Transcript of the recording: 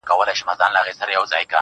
ښكلو ته كاته اكثر~